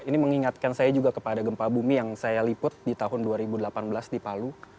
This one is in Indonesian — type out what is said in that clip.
ini mengingatkan saya juga kepada gempa bumi yang saya liput di tahun dua ribu delapan belas di palu